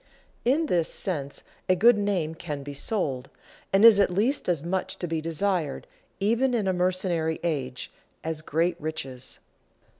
In this sense a good name can be sold, and is at least as much to be desired, even in a mercenary age, as great riches.